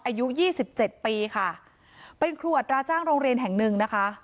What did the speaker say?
อายุ๒๗ปีเป็นครวดราจางโรงเรียนแห่งหนึ่ง